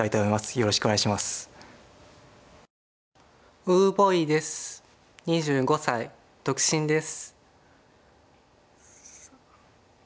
よろしくお願いします。